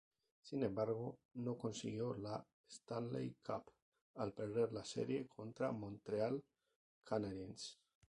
Sin embargo, no consiguió la Stanley Cup al perder la serie contra Montreal Canadiens.